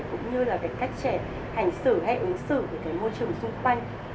cũng như là cái cách trẻ hành xử hay ứng xử về cái môi trường xung quanh